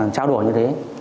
trao đổi như thế